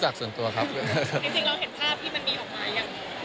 จริงเราเห็นภาพที่มันมีออกมาอย่างไร